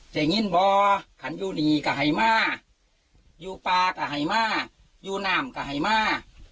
ใส่งนิดบอยังอยู่นี่กะให้มาอยู่ปากะให้มาอยู่นามกะให้มา